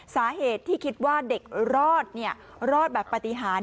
สาเหตุที่คิดว่าเด็กรอดรอดแบบปฏิหาร